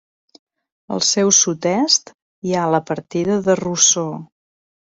Al seu sud-est hi ha la partida de Rossor.